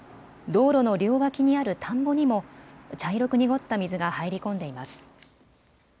道路の両脇にある田んぼにも茶色く濁った水が入り込んでいます。